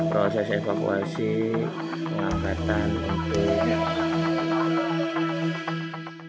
proses evakuasi pengangkatan untuk